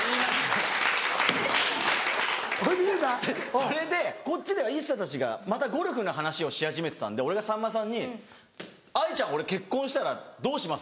それでこっちではＩＳＳＡたちがまたゴルフの話をし始めてたんで俺がさんまさんに「藍ちゃん俺結婚したらどうします？